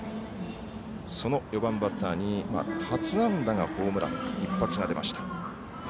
その４番バッターに初安打、ホームラン一発が出ました。